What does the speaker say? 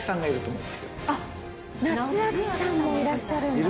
あっ夏秋さんもいらっしゃるんだ。